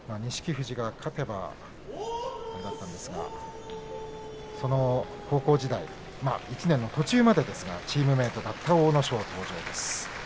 富士が勝てばよかったんですが、高校時代１年の途中までですがチームメートだった阿武咲が登場です。